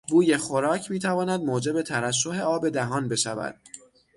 بوی خوراک میتواند موجب ترشح آب دهان بشود.